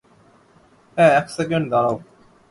হ্যাঁ, এক সেকেন্ড দাঁড়াও।